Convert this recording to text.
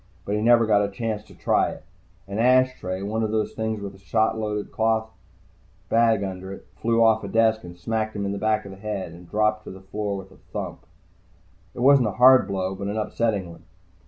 But he never got a chance to try it. An ashtray, one of those things with a shot loaded cloth bag under it, flew off a desk, smacked him in the back of the head, and dropped to the floor with a thump. It wasn't a hard blow, but an upsetting one.